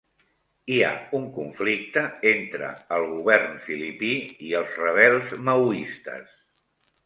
Hi ha un conflicte entre el govern filipí i els rebels maoistes